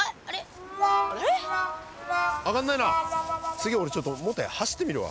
次俺ちょっと持って走ってみるわ。